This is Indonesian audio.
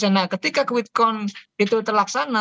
nah ketika kuikon itu terlaksana